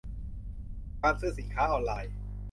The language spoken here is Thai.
การซื้อสินค้าออนไลน์